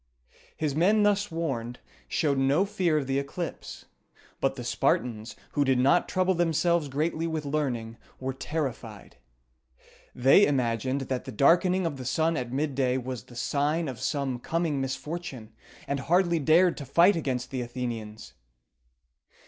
His men, thus warned, showed no fear of the eclipse; but the Spartans, who did not trouble themselves greatly with learning, were terrified. They imagined that the darkening of the sun at midday was the sign of some coming misfortune, and hardly dared to fight against the Athenians.